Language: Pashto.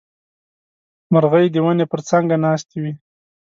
مرغۍ د ونې پر څانګه ناستې وې.